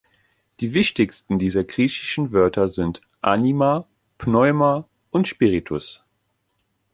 Die wichtigsten dieser griechischen Wörter sind "anima", "pneuma" und "spiritus".